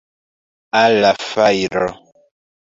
Al la fajro!